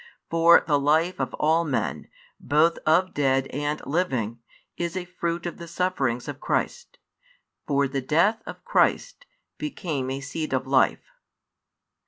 For the life of all men, both of dead and living, is a fruit of the sufferings of Christ. For the death of Christ became a seed of life.